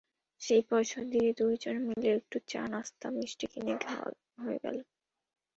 সেই পয়সা দিয়ে দুজনে মিলে একটু চা-নাশতা, মিষ্টি কিনে খাওয়া হয়ে গেল।